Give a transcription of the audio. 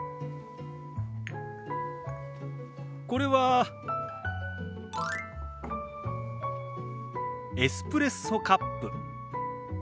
これはエスプレッソカップ。